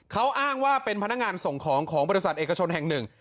เขาอ้างว่าเป็นพนักงานส่งของของบริษัทเอกชนแห่งหนึ่ง